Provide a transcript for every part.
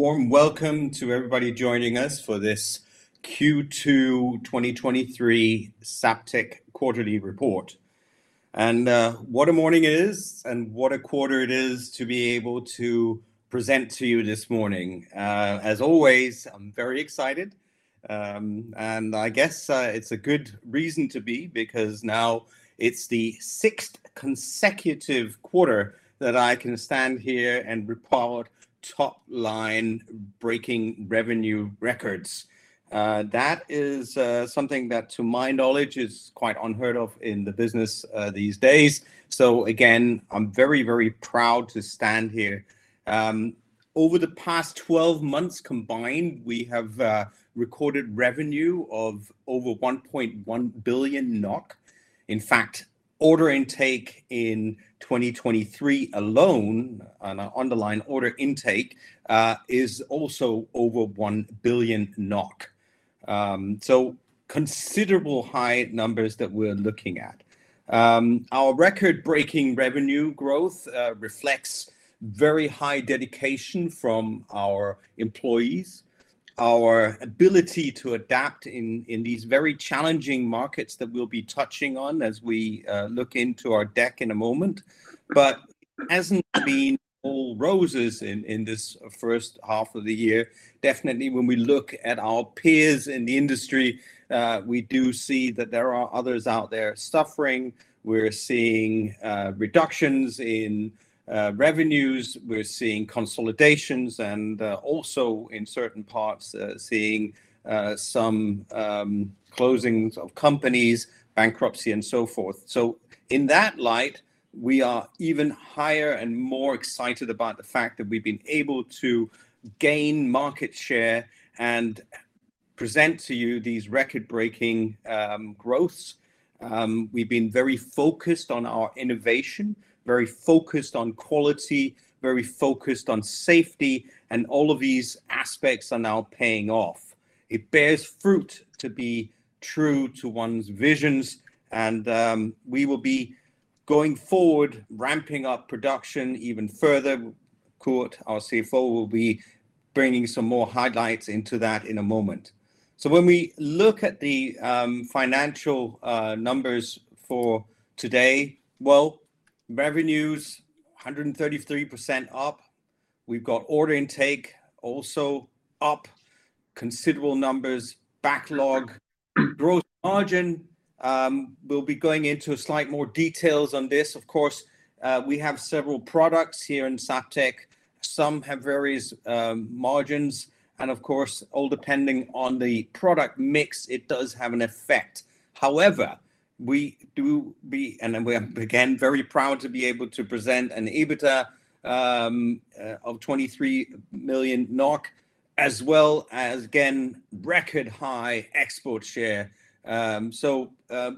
Warm welcome to everybody joining us for this Q2 2023 Zaptec Quarterly Report. What a morning it is, and what a quarter it is to be able to present to you this morning. As always, I'm very excited, and I guess, it's a good reason to be, because now it's the sixth consecutive quarter that I can stand here and report top-line breaking revenue records. That is, something that, to my knowledge, is quite unheard of in the business, these days. Again, I'm very, very proud to stand here. Over the past 12 months combined, we have recorded revenue of over 1.1 billion NOK. In fact, order intake in 2023 alone, and our underlying order intake, is also over 1 billion NOK. Considerable high numbers that we're looking at. Our record-breaking revenue growth reflects very high dedication from our employees, our ability to adapt in, in these very challenging markets that we'll be touching on as we look into our deck in a moment. It hasn't been all roses in, in this first half of the year. Definitely when we look at our peers in the industry, we do see that there are others out there suffering. We're seeing reductions in revenues, we're seeing consolidations, and also in certain parts, seeing some closings of companies, bankruptcy, and so forth. In that light, we are even higher and more excited about the fact that we've been able to gain market share and present to you these record-breaking growths. We've been very focused on our innovation, very focused on quality, very focused on safety, and all of these aspects are now paying off. It bears fruit to be true to one's visions, and we will be going forward, ramping up production even further. Kurt, our CFO, will be bringing some more highlights into that in a moment. When we look at the financial numbers for today, well, revenue's 133% up. We've got order intake also up, considerable numbers, backlog, gross margin. We'll be going into slight more details on this. Of course, we have several products here in Zaptec. Some have various margins and, of course, all depending on the product mix, it does have an effect. However, we do and we are, again, very proud to be able to present an EBITDA of 23 million NOK, as well as, again, record high export share.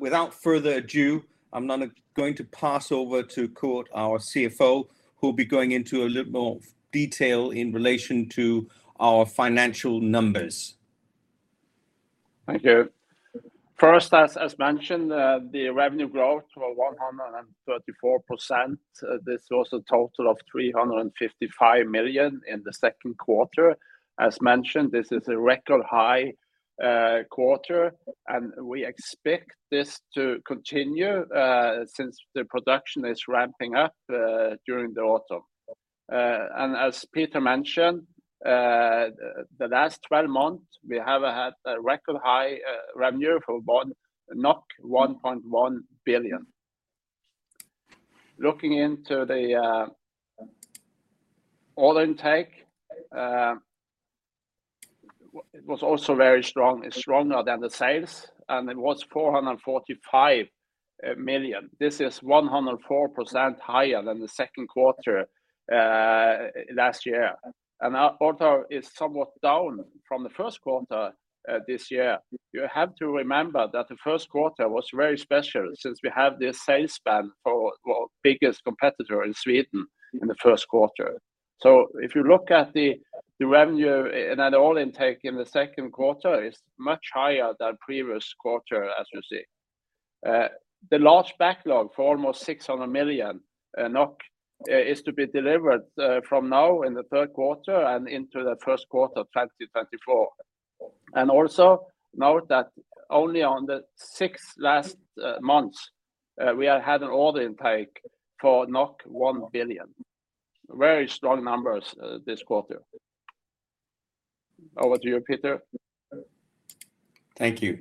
Without further ado, I'm now going to pass over to Kurt, our CFO, who'll be going into a little more detail in relation to our financial numbers. Thank you. First, as, as mentioned, the revenue growth for 134%. This was a total of 355 million in the second quarter. As mentioned, this is a record high quarter, and we expect this to continue since the production is ramping up during the autumn. As Peter mentioned, the last 12 months, we have had a record high revenue for about 1.1 billion. Looking into the order intake, it was also very strong, stronger than the sales, and it was 445 million. This is 104% higher than the second quarter last year. Our order is somewhat down from the first quarter this year. You have to remember that the first quarter was very special since we have the sales ban for our biggest competitor in Sweden in the first quarter. If you look at the revenue and then order intake in the second quarter, it's much higher than previous quarter, as you see. The large backlog for almost 600 million NOK is to be delivered from now in the third quarter and into the first quarter of 2024. Also, note that only on the sixth last months, we have had an order intake for 1 billion. Very strong numbers this quarter. Over to you, Peter. Thank you.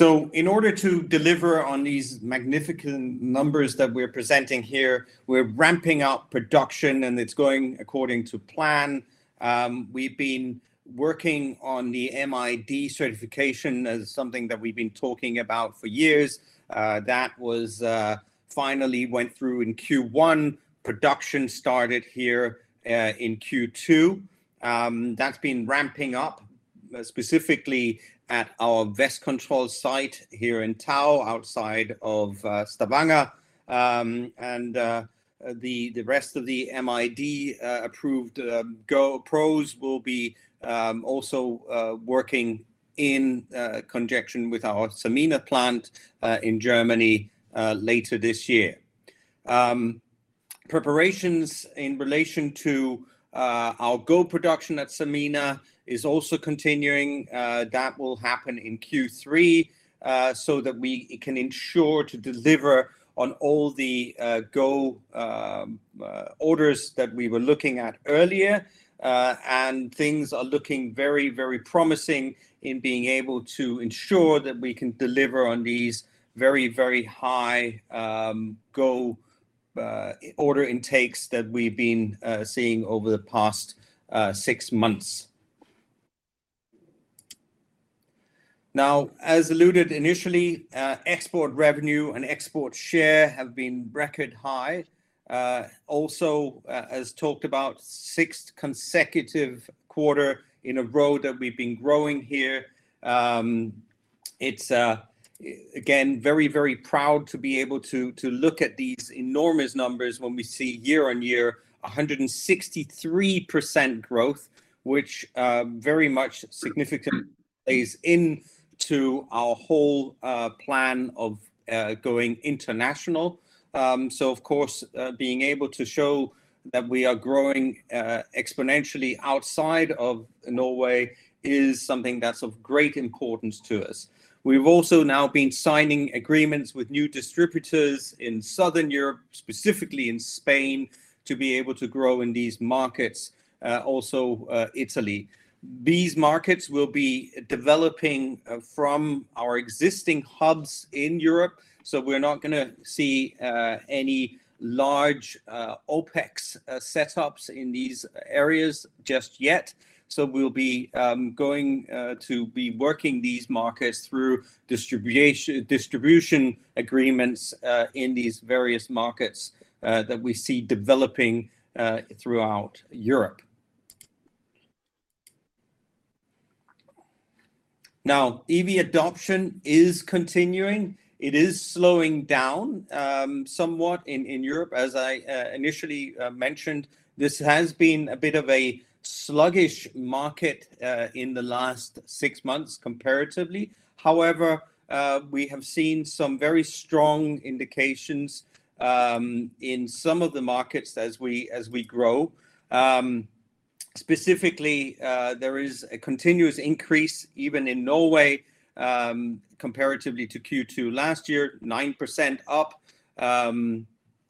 In order to deliver on these magnificent numbers that we're presenting here, we're ramping up production, and it's going according to plan. We've been working on the MID certification as something that we've been talking about for years. That was finally went through in Q1. Production started here in Q2. That's been ramping up specifically at our Westcontrol site here in Tau, outside of Stavanger. The rest of the MID approved Go-Pros will be also working in conjunction with our Sanmina plant in Germany later this year. Preparations in relation to our Go production at Sanmina is also continuing. That will happen in Q3, so that we can ensure to deliver on all the Zaptec Go orders that we were looking at earlier. Things are looking very, very promising in being able to ensure that we can deliver on these very, very high Zaptec Go order intakes that we've been seeing over the past six months. Now, as alluded initially, export revenue and export share have been record high. Also, as talked about, sixth consecutive quarter in a row that we've been growing here. It's again, very, very proud to be able to, to look at these enormous numbers when we see year-on-year, 163% growth, which very much significant plays into our whole plan of going international. Of course, being able to show that we are growing exponentially outside of Norway is something that's of great importance to us. We've also now been signing agreements with new distributors in Southern Europe, specifically in Spain, to be able to grow in these markets, also Italy. These markets will be developing from our existing hubs in Europe, we're not gonna see any large OpEx setups in these areas just yet. We'll be going to be working these markets through distribution agreements in these various markets that we see developing throughout Europe. Now, EV adoption is continuing. It is slowing down somewhat in Europe. As I initially mentioned, this has been a bit of a sluggish market in the last six months comparatively. However, we have seen some very strong indications in some of the markets as we, as we grow. Specifically, there is a continuous increase even in Norway, comparatively to Q2 last year, 9% up.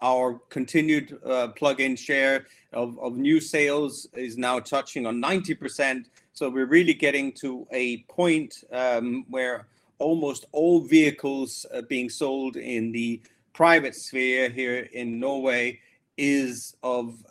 Our continued plug-in share of new sales is now touching on 90%, so we're really getting to a point where almost all vehicles being sold in the private sphere here in Norway is of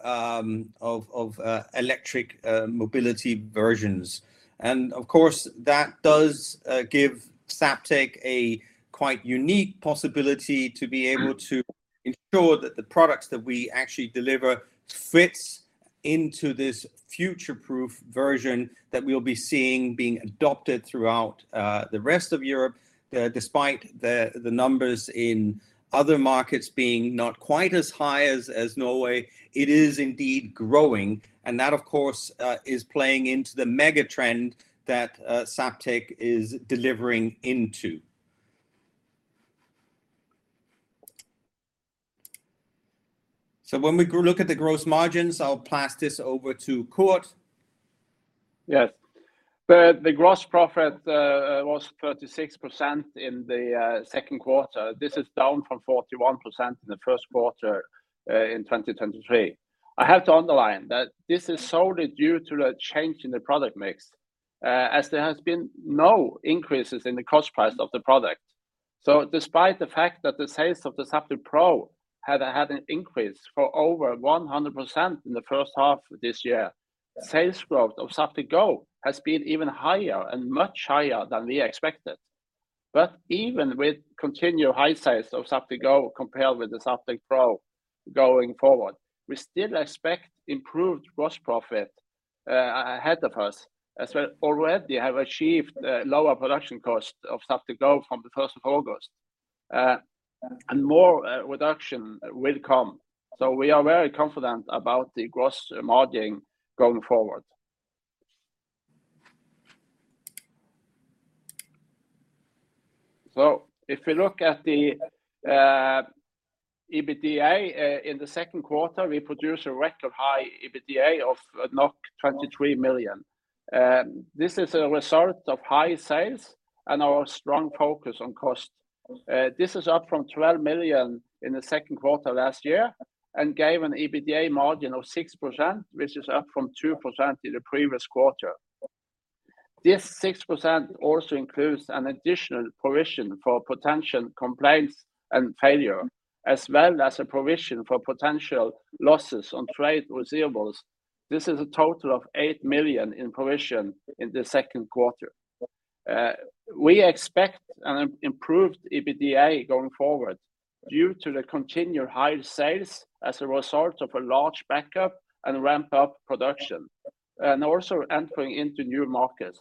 electric mobility versions. And of course, that does give Zaptec a quite unique possibility to be able to ensure that the products that we actually deliver fits into this future-proof version that we'll be seeing being adopted throughout the rest of Europe. Despite the, the numbers in other markets being not quite as high as, as Norway, it is indeed growing, and that, of course, is playing into the mega trend that Zaptec is delivering into. When we look at the gross margins, I'll pass this over to Kurt. Yes. The, the gross profit was 36% in the second quarter. This is down from 41% in the first quarter in 2023. I have to underline that this is solely due to the change in the product mix, as there has been no increases in the cost price of the product. Despite the fact that the sales of the Zaptec Pro had had an increase for over 100% in the first half of this year, sales growth of Zaptec Go has been even higher and much higher than we expected. Even with continued high sales of Zaptec Go compared with the Zaptec Pro going forward, we still expect improved gross profit ahead of us, as well already have achieved lower production cost of Zaptec Go from the 1st of August. More reduction will come. We are very confident about the gross margin going forward. If you look at the EBITDA in the second quarter, we produced a record high EBITDA of 23 million. This is a result of high sales and our strong focus on cost. This is up from 12 million in the second quarter last year and gave an EBITDA margin of 6%, which is up from 2% in the previous quarter. This 6% also includes an additional provision for potential compliance and failure, as well as a provision for potential losses on trade receivables. This is a total of 8 million in provision in the second quarter. We expect an improved EBITDA going forward due to the continued high sales as a result of a large backup and ramp up production, and also entering into new markets,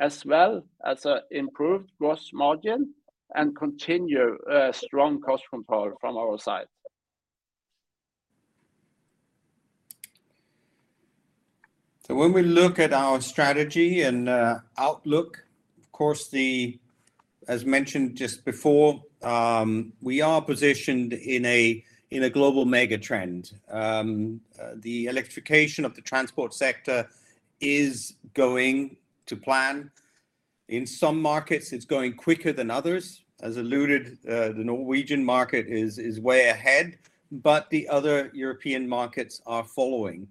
as well as improved gross margin and continue strong cost control from our side. When we look at our strategy and outlook, of course, as mentioned just before, we are positioned in a global mega trend. The electrification of the transport sector is going to plan. In some markets, it's going quicker than others. As alluded, the Norwegian market is way ahead, but the other European markets are following.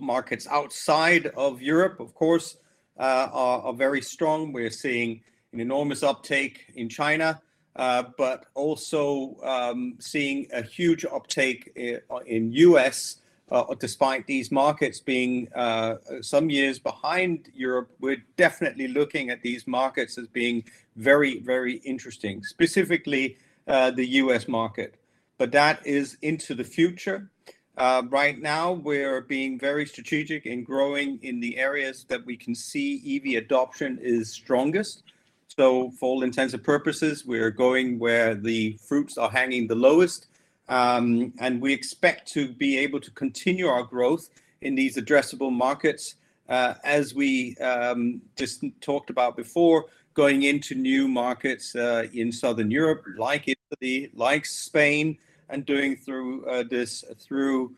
Markets outside of Europe, of course, are very strong. We're seeing an enormous uptake in China, but also seeing a huge uptake in U.S. Despite these markets being some years behind Europe, we're definitely looking at these markets as being very, very interesting, specifically, the U.S. market, but that is into the future. Right now, we're being very strategic in growing in the areas that we can see EV adoption is strongest. For all intents and purposes, we're going where the fruits are hanging the lowest, and we expect to be able to continue our growth in these addressable markets, as we just talked about before, going into new markets in Southern Europe, like Italy, like Spain, and doing through this, through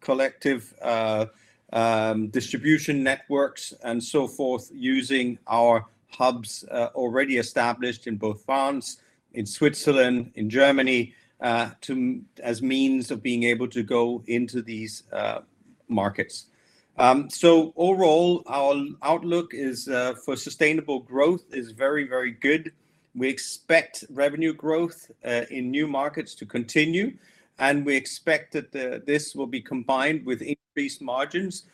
collective distribution networks and so forth, using our hubs already established in both France, in Switzerland, in Germany, as means of being able to go into these markets. Overall, our outlook for sustainable growth is very, very good. We expect revenue growth in new markets to continue, and we expect that this will be combined with increased margins,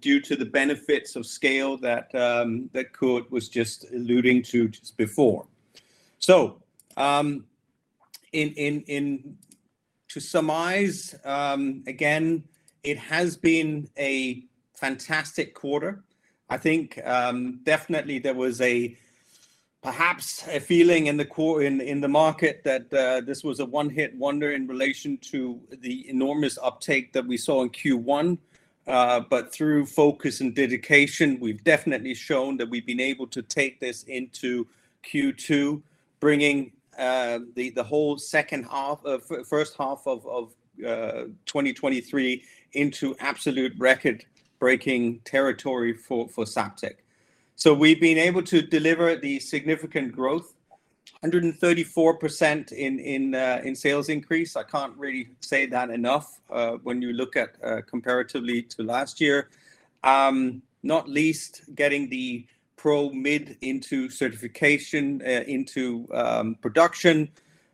due to the benefits of scale that Kurt was just alluding to just before. In to surmise, again, it has been a fantastic quarter. I think, definitely there was perhaps a feeling in the market that this was a one-hit wonder in relation to the enormous uptake that we saw in Q1. Through focus and dedication, we've definitely shown that we've been able to take this into Q2, bringing the whole first half of 2023 into absolute record-breaking territory for Zaptec. We've been able to deliver the significant growth, 134% in sales increase. I can't really say that enough, when you look at comparatively to last year. Not least, getting the Pro MID into certification, into production,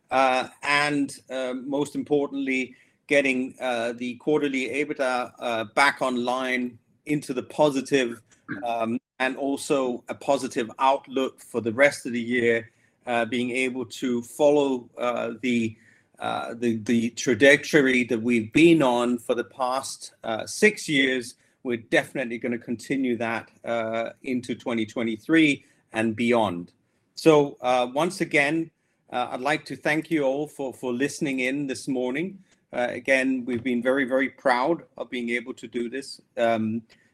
and most importantly, getting the quarterly EBITDA back online into the positive, and also a positive outlook for the rest of the year, being able to follow the trajectory that we've been on for the past 6 years. We're definitely gonna continue that into 2023 and beyond. Once again, I'd like to thank you all for listening in this morning. Again, we've been very, very proud of being able to do this.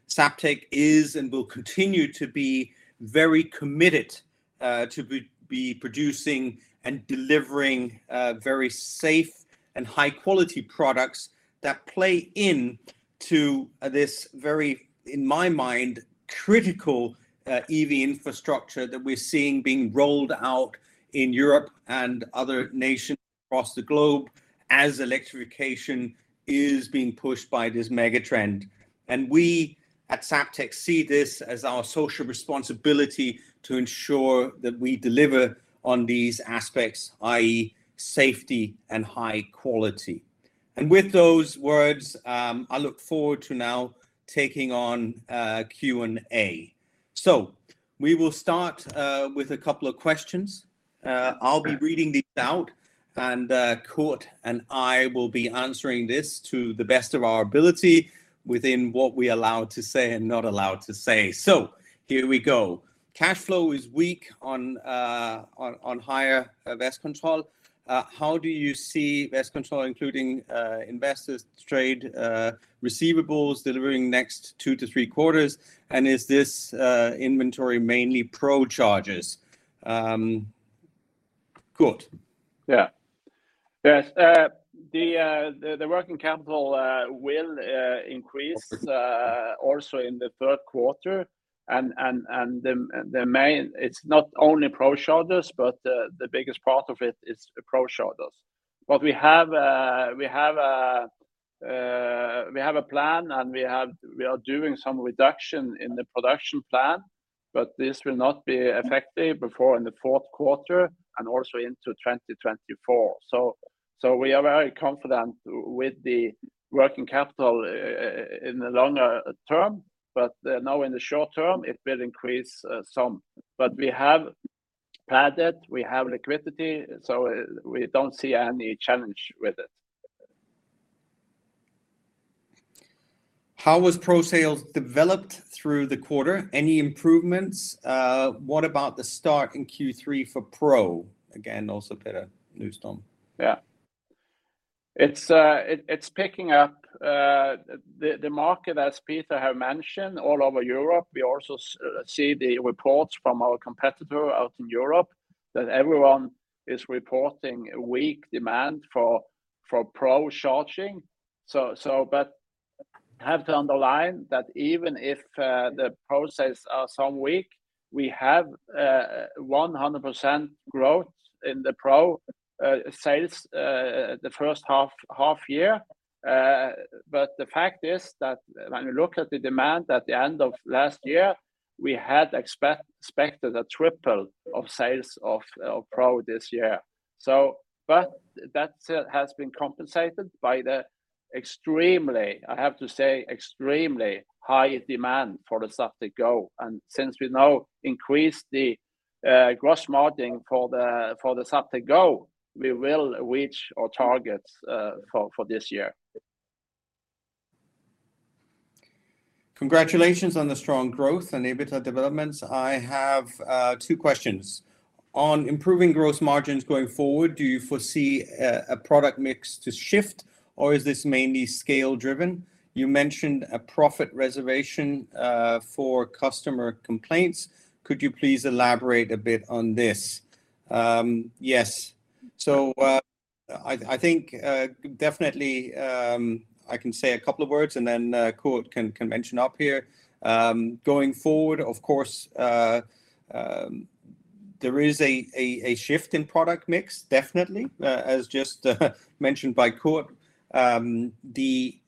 Zaptec is and will continue to be very committed to be producing and delivering very safe and high-quality products that play in to this very, in my mind, critical EV infrastructure that we're seeing being rolled out in Europe and other nations across the globe as electrification is being pushed by this mega trend. We, at Zaptec, see this as our social responsibility to ensure that we deliver on these aspects, i.e., safety and high quality. With those words, I look forward to now taking on Q&A. We will start with a couple of questions. I'll be reading these out, and Kurt and I will be answering this to the best of our ability within what we're allowed to say and not allowed to say. Here we go. Cash flow is weak on on higher Westcontrol. How do you see Westcontrol, including investors trade receivables, delivering next 2-3 quarters? Is this inventory mainly Pro chargers? Kurt? Yeah. Yes, the working capital will increase also in the third quarter. It's not only Pro chargers, but the biggest part of it is Pro chargers. We have a, we have a, we have a plan, and we are doing some reduction in the production plan, but this will not be effective before in the fourth quarter and also into 2024. We are very confident with the working capital in the longer term, but now in the short term it will increase some. We have padded, we have liquidity, so, we don't see any challenge with it. How was Pro sales developed through the quarter? Any improvements? What about the start in Q3 for Pro? Again, also Peter Bardenfleth-Hansen. Yeah. It's, it's picking up, the market, as Peter have mentioned, all over Europe. We also see the reports from our competitor out in Europe, that everyone is reporting a weak demand for, for Pro charging. But have to underline that even if, the Pro sales are some weak, we have 100% growth in the Pro sales, the first half, half year. But the fact is that when you look at the demand at the end of last year, we had expected a triple of sales of, of Pro this year. But that has been compensated by the extremely, I have to say, extremely high demand for the Zaptec Go. Since we now increased the gross margin for the Zaptec Go, we will reach our targets for this year. Congratulations on the strong growth and EBITDA developments. I have two questions. On improving gross margins going forward, do you foresee a product mix to shift, or is this mainly scale-driven? You mentioned a profit reservation for customer complaints. Could you please elaborate a bit on this? Yes. I think definitely, I can say a couple of words, and then Kurt can mention up here. Going forward, of course, there is a shift in product mix, definitely, as just mentioned by Kurt. The.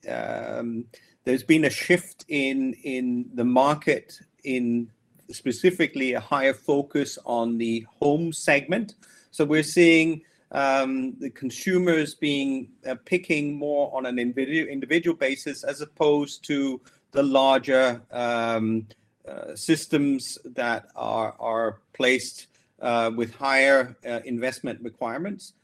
There's been a shift in the market, in specifically a higher focus on the home segment. We're seeing the consumers being picking more on an individual basis, as opposed to the larger systems that are placed with higher investment requirements.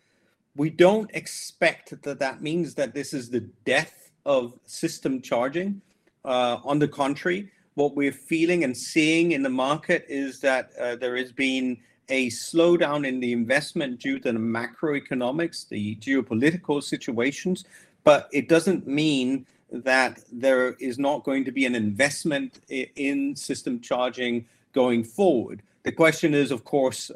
We don't expect that that means that this is the death of system charging. On the contrary, what we're feeling and seeing in the market is that there has been a slowdown in the investment due to the macroeconomics, the geopolitical situations, but it doesn't mean that there is not going to be an investment in system charging going forward. The question is, of course,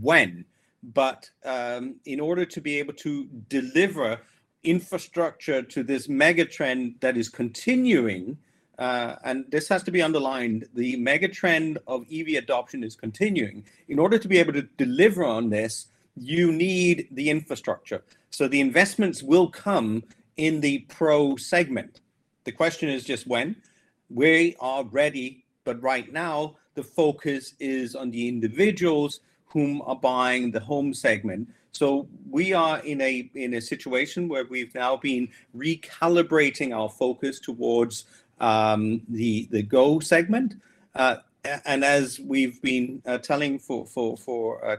when? In order to be able to deliver infrastructure to this mega trend that is continuing, and this has to be underlined, the mega trend of EV adoption is continuing. In order to be able to deliver on this, you need the infrastructure. The investments will come in the Pro segment. The question is just when. We are ready, but right now, the focus is on the individuals whom are buying the home segment. We are in a situation where we've now been recalibrating our focus towards the Go segment. As we've been telling for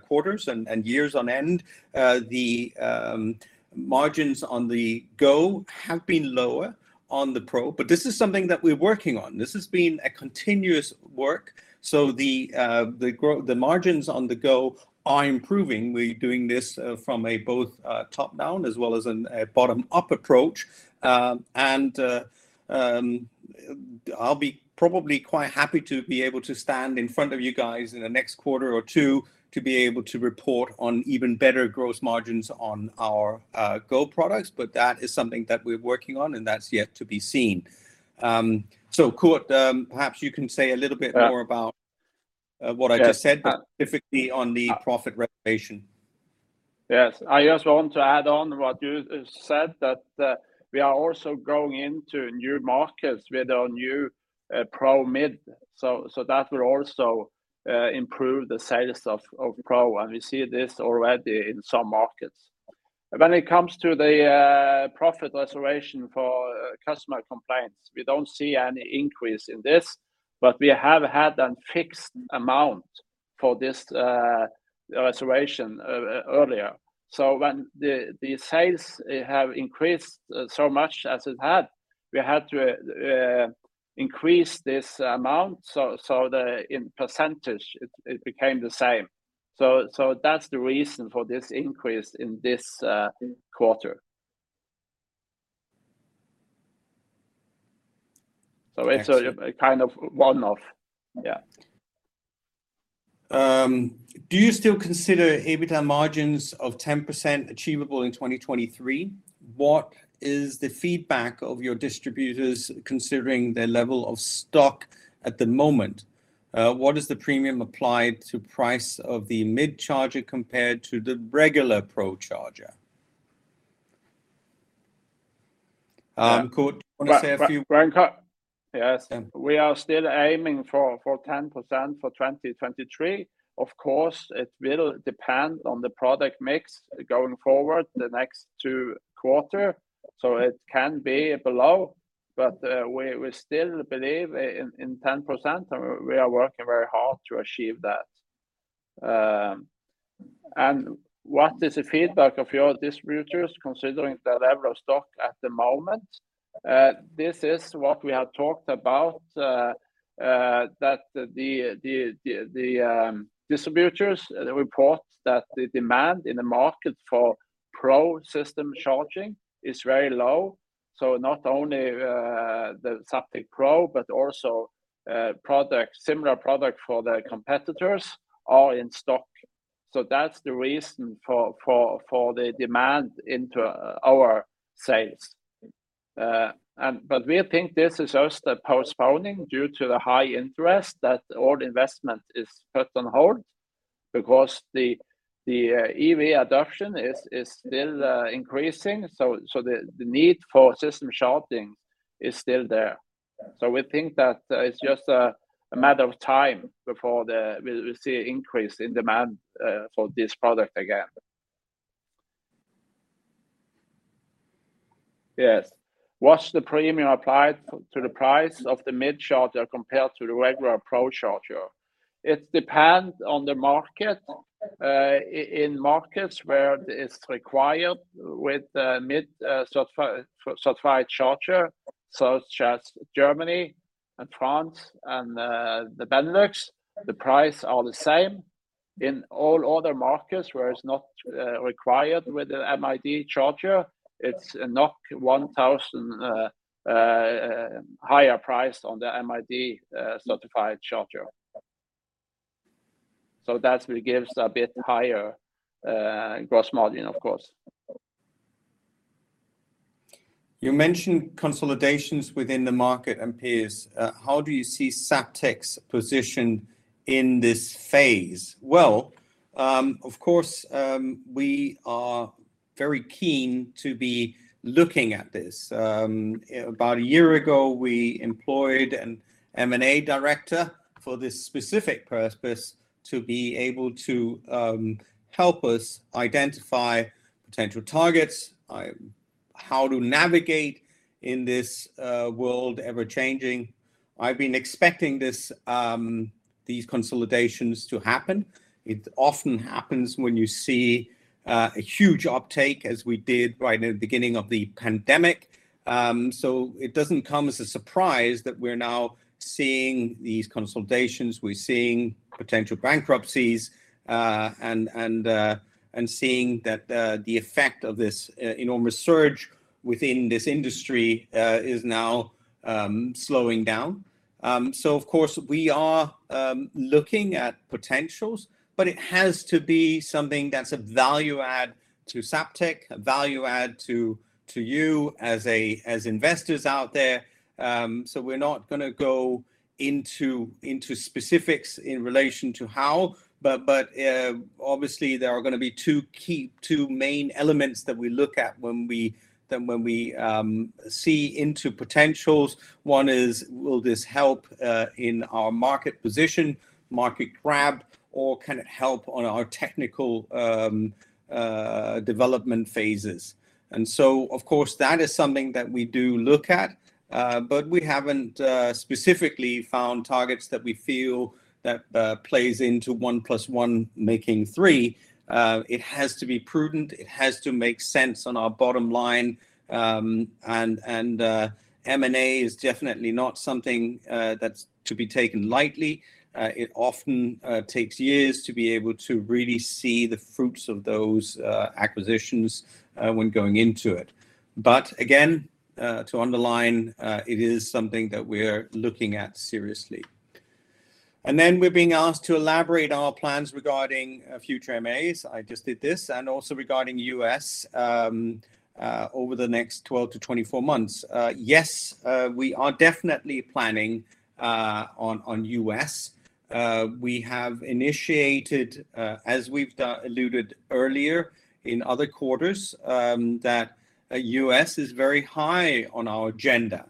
quarters and years on end, the margins on the Go have been lower on the Pro. This is something that we're working on. This has been a continuous work, so the margins on the Go are improving. We're doing this from a both top-down as well as a bottom-up approach. I'll be probably quite happy to be able to stand in front of you guys in the next quarter or 2, to be able to report on even better gross margins on our Go products, but that is something that we're working on, and that's yet to be seen. Kurt, perhaps you can say a little bit more. Yeah about what I just said. Yeah but specifically on the profit reservation. Yes, I just want to add on what you said, that we are also going into new markets with our new Pro MID. That will also improve the sales of Pro, and we see this already in some markets. When it comes to the profit reservation for customer complaints, we don't see any increase in this, but we have had a fixed amount for this reservation earlier. When the sales have increased so much as it had, we had to increase this amount, so, so the, in percentage, it, it became the same. That's the reason for this increase in this quarter. It's a Excellent a kind of one-off. Yeah. Do you still consider EBITDA margins of 10% achievable in 2023? What is the feedback of your distributors considering their level of stock at the moment? What is the premium applied to price of the MID charger compared to the regular Pro charger? Kurt, wanna say a few- Yes. Yeah. We are still aiming for, for 10% for 2023. Of course, it will depend on the product mix going forward the next 2 quarter. It can be below, but we, we still believe in 10%, and we are working very hard to achieve that. What is the feedback of your distributors considering the level of stock at the moment? This is what we have talked about, that the distributors, they report that the demand in the market for Pro system charging is very low. Not only the Zaptec Pro, but also similar product for the competitors are in stock. That's the reason for the demand into our sales. We think this is just a postponing due to the high interest that all investment is put on hold because the EV adoption is still increasing. The need for system charging is still there. We think that it's just a matter of time before we'll see an increase in demand for this product again. Yes. What's the premium applied to the price of the MID charger compared to the regular Pro charger? It depends on the market. In markets where it's required with the MID certified, certified charger, such as Germany and France and the Benelux, the price are the same. In all other markets where it's not required with a MID charger, it's 1,000 higher price on the MID certified charger. That's what gives a bit higher, gross margin, of course. You mentioned consolidations within the market and peers. How do you see Zaptec's position in this phase? Well, of course, we are very keen to be looking at this. About a year ago, we employed an M&A director for this specific purpose, to be able to help us identify potential targets, how to navigate in this world, ever-changing. I've been expecting this, these consolidations to happen. It often happens when you see a huge uptake, as we did right at the beginning of the pandemic. It doesn't come as a surprise that we're now seeing these consolidations, we're seeing potential bankruptcies, and, and seeing that the effect of this enormous surge within this industry is now slowing down. Of course, we are looking at potentials, but it has to be something that's a value add to Zaptec, a value add to, to you as investors out there. We're not gonna go into, into specifics in relation to how, but, obviously, there are gonna be two key, two main elements that we look at when we then when we see into potentials. One is, will this help in our market position, market grab, or can it help on our technical development phases? Of course, that is something that we do look at, but we haven't specifically found targets that we feel that plays into one plus one making three. It has to be prudent. It has to make sense on our bottom line. M&A is definitely not something that's to be taken lightly. It often takes years to be able to really see the fruits of those acquisitions when going into it. Again, to underline, it is something that we're looking at seriously. We're being asked to elaborate our plans regarding future M&As. I just did this. Also regarding U.S. over the next 12-24 months. Yes, we are definitely planning on U.S. We have initiated, as we've alluded earlier in other quarters, that U.S. is very high on our agenda.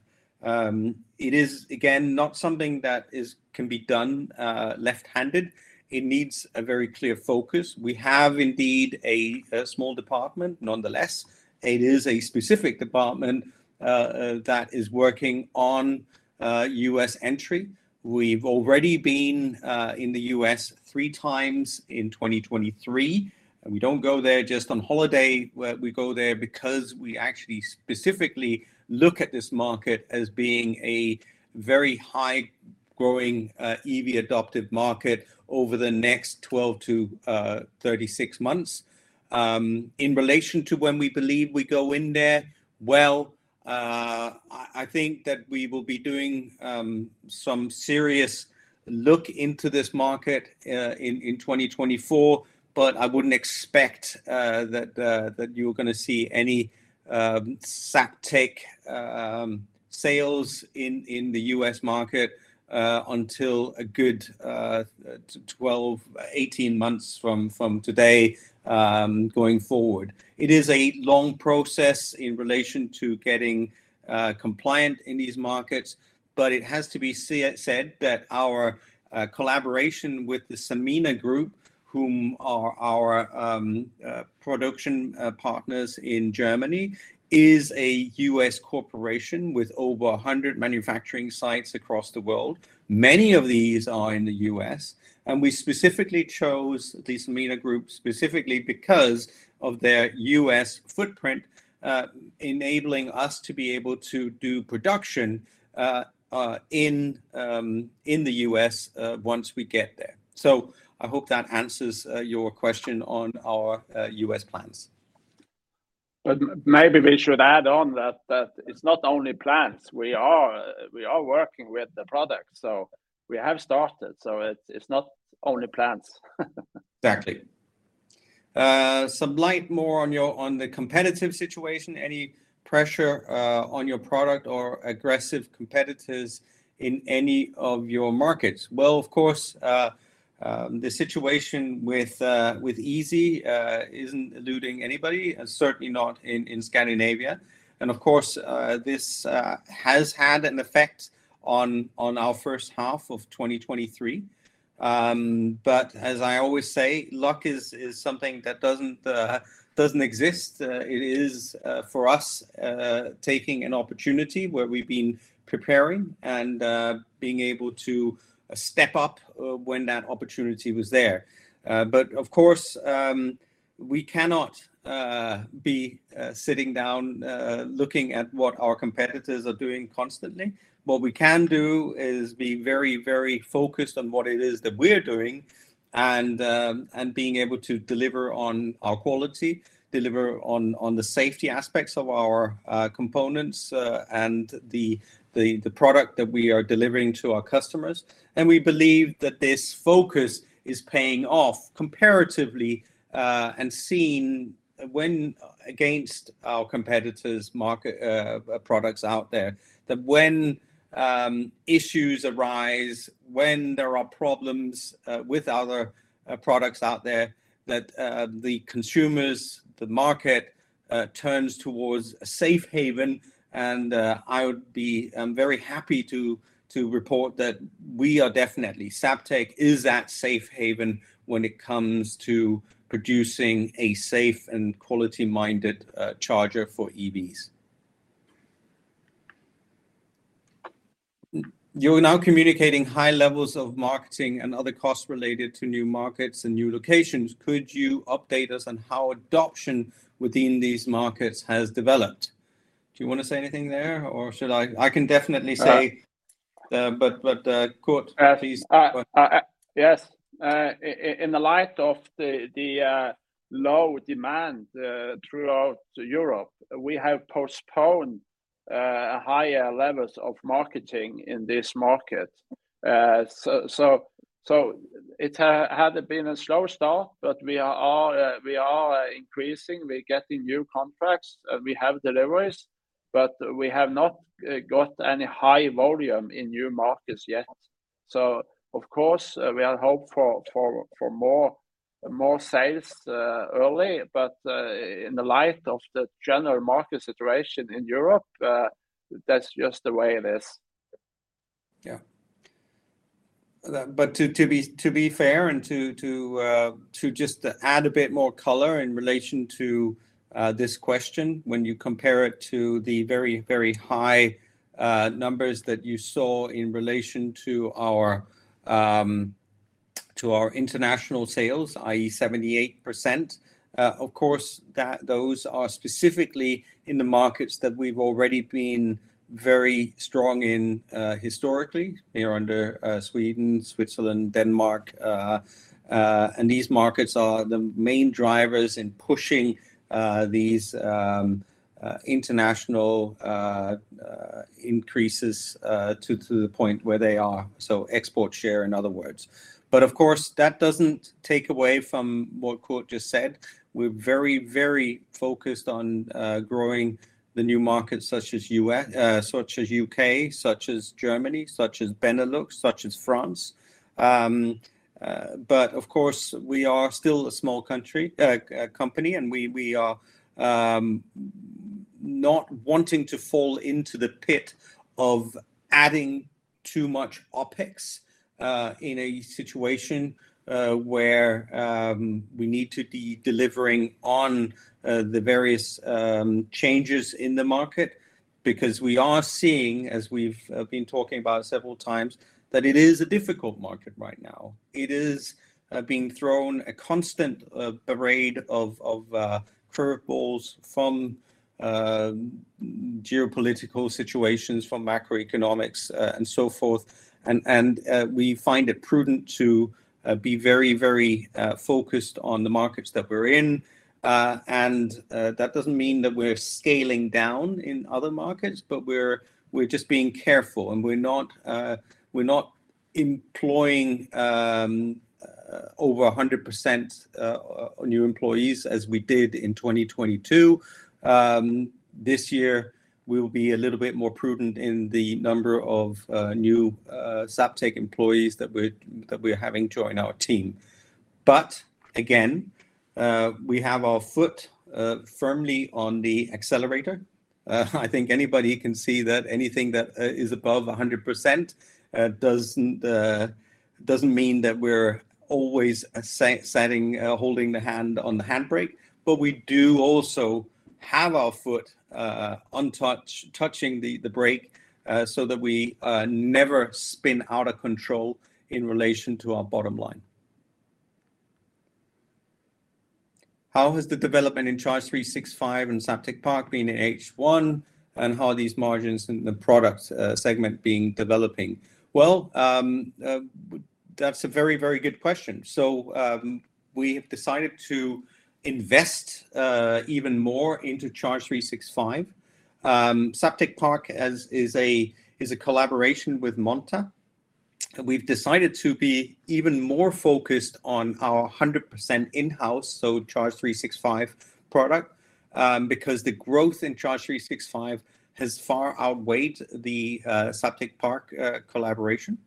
It is, again, not something that can be done left-handed. It needs a very clear focus. We have indeed a small department. Nonetheless, it is a specific department that is working on U.S. entry. We've already been in the U.S. 3 times in 2023, and we don't go there just on holiday. We, we go there because we actually specifically look at this market as being a very high-growing EV adoptive market over the next 12 to 36 months. In relation to when we believe we go in there, well, I, I think that we will be doing some serious look into this market in 2024, but I wouldn't expect that you're gonna see any Zaptec sales in the U.S. market until a good 12, 18 months from today going forward. It is a long process in relation to getting compliant in these markets, but it has to be said, said that our collaboration with the Sanmina Corporation, whom are our production partners in Germany, is a U.S. corporation with over 100 manufacturing sites across the world. Many of these are in the U.S., and we specifically chose the Sanmina Corporation specifically because of their U.S. footprint enabling us to be able to do production in the U.S. once we get there. I hope that answers your question on our U.S. plans. Maybe we should add on that, that it's not only plans. We are, we are working with the product, so we have started, so it's, it's not only plans. Exactly. Some light more on the competitive situation, any pressure on your product or aggressive competitors in any of your markets? Well, of course, the situation with Easee isn't eluding anybody, and certainly not in Scandinavia. Of course, this has had an effect on our first half of 2023. As I always say, luck is something that doesn't exist. It is for us taking an opportunity where we've been preparing and being able to step up when that opportunity was there. Of course, we cannot be sitting down looking at what our competitors are doing constantly. What we can do is be very, very focused on what it is that we're doing, and being able to deliver on our quality, deliver on, on the safety aspects of our components, and the product that we are delivering to our customers. We believe that this focus is paying off comparatively, and seen when against our competitors' market products out there. That when issues arise, when there are problems with other products out there, that the consumers, the market, turns towards a safe haven, and I would be very happy to report that we are definitely, Zaptec is that safe haven when it comes to producing a safe and quality-minded charger for EVs. You're now communicating high levels of marketing and other costs related to new markets and new locations. Could you update us on how adoption within these markets has developed? Do you wanna say anything there, or should I? I can definitely say but, but, Kurt, please. Yes. In the light of the low demand throughout Europe, we have postponed higher levels of marketing in this market. It had been a slow start, but we are increasing. We're getting new contracts, and we have deliveries, but we have not got any high volume in new markets yet. Of course, we are hope for more sales early, but in the light of the general market situation in Europe, that's just the way it is. Yeah. To, to be, to be fair and to, to just add a bit more color in relation to this question, when you compare it to the very, very high numbers that you saw in relation to our to our international sales, i.e., 78%, of course, those are specifically in the markets that we've already been very strong in historically. They are under Sweden, Switzerland, Denmark, and these markets are the main drivers in pushing these international increases to, to the point where they are, so export share, in other words. Of course, that doesn't take away from what Kurt just said. We're very, very focused on growing the new markets such as U.S., such as U.K., such as Germany, such as Benelux, such as France. Of course, we are still a small country, company, and we, we are not wanting to fall into the pit of adding too much OpEx in a situation where we need to be delivering on the various changes in the market. We are seeing, as we've, been talking about several times, that it is a difficult market right now. It is, being thrown a constant, parade of, of, curve balls from, geopolitical situations, from macroeconomics, and so forth. We find it prudent to, be very, very, focused on the markets that we're in. That doesn't mean that we're scaling down in other markets, but we're just being careful, and we're not, we're not employing, over 100% new employees, as we did in 2022. This year, we'll be a little bit more prudent in the number of new Zaptec employees that we're, that we're having join our team. Again, we have our foot firmly on the accelerator. I think anybody can see that anything that is above 100% doesn't mean that we're always holding the hand on the handbrake. We do also have our foot on touching the brake so that we never spin out of control in relation to our bottom line. How has the development in Charge365 and Zaptec Park been in H1, and how are these margins in the product segment being developing? Well, That's a very, very good question. We have decided to invest even more into Charge365. Zaptec Pro as is a, is a collaboration with Monta, and we've decided to be even more focused on our 100% in-house, so Charge365 product, because the growth in Charge365 has far outweighed the Zaptec Pro collaboration.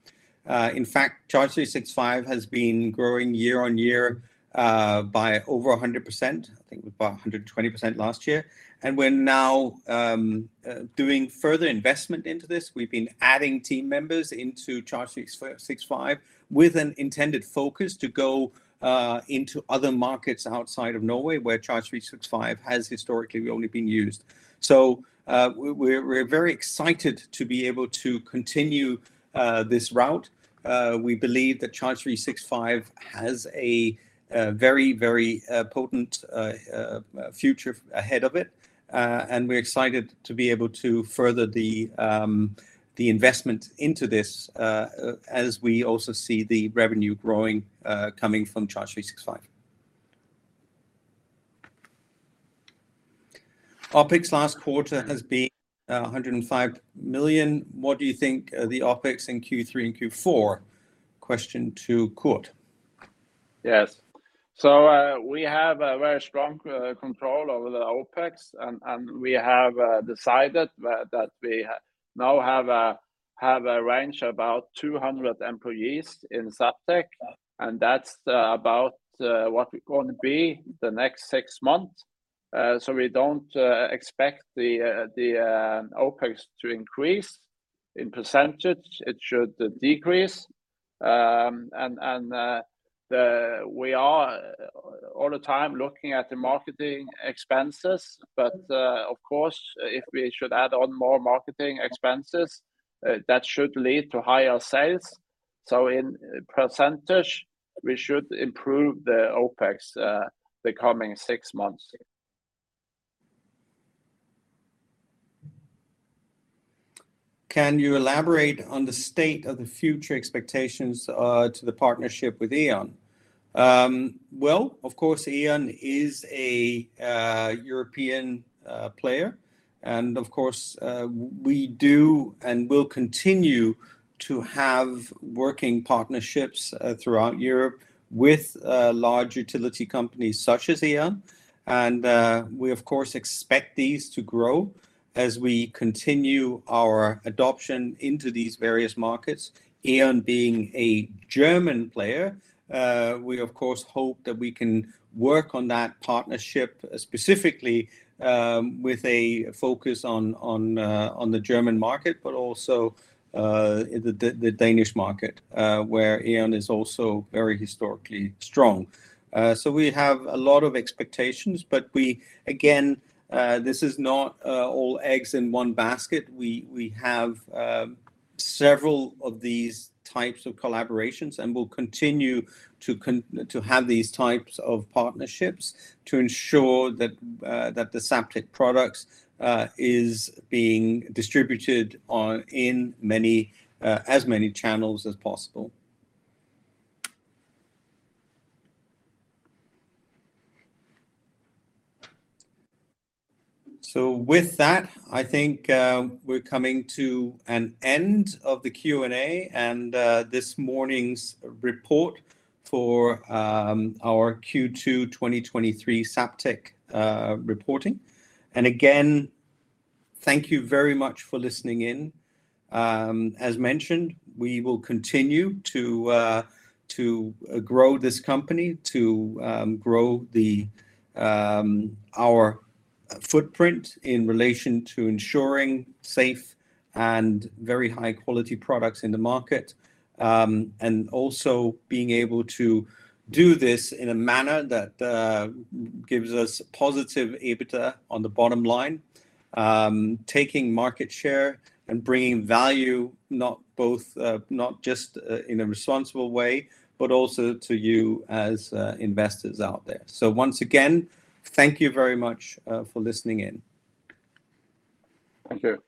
In fact, Charge365 has been growing year-on-year by over 100%. I think about 120% last year. We're now doing further investment into this. We've been adding team members into Charge365, with an intended focus to go into other markets outside of Norway, where Charge365 has historically only been used. We're very excited to be able to continue this route. We believe that Charge365 has a very, very potent future ahead of it, and we're excited to be able to further the investment into this, as we also see the revenue growing coming from Charge365. OpEx last quarter has been 105 million. What do you think are the OpEx in Q3 and Q4? Question to Kurt. Yes. We have a very strong control over the OpEx, and we have decided that we now have a range about 200 employees in Zaptec, and that's about what we're going to be the next six months. We don't expect the OpEx to increase in %. It should decrease. We are all the time looking at the marketing expenses, but of course, if we should add on more marketing expenses, that should lead to higher sales. In %, we should improve the OpEx the coming six months. Can you elaborate on the state of the future expectations, to the partnership with E.ON? Well, of course, E.ON is a European player, and of course, we do and will continue to have working partnerships throughout Europe with large utility companies such as E.ON. We, of course, expect these to grow as we continue our adoption into these various markets. E.ON being a German player, we of course hope that we can work on that partnership, specifically, with a focus on the German market, but also, the Danish market, where E.ON is also very historically strong. We have a lot of expectations, but we, again, this is not, all eggs in one basket. We, we have several of these types of collaborations and will continue to con- to have these types of partnerships to ensure that the Zaptec products is being distributed on, in many, as many channels as possible. With that, I think we're coming to an end of the Q&A and this morning's report for our Q2 2023 Zaptec reporting. Again, thank you very much for listening in. As mentioned, we will continue to to grow this company, to grow the our footprint in relation to ensuring safe and very high quality products in the market. Also being able to do this in a manner that gives us positive EBITDA on the bottom line, taking market share and bringing value, not both, not just in a responsible way, but also to you as investors out there. Once again, thank you very much for listening in. Thank you.